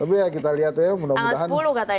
tapi ya kita lihat ya mudah mudahan